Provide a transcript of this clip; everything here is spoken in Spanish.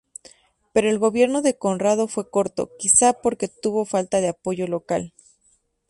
Pero el gobierno de Conrado fue corto, quizá porque tuvo falta de apoyo local.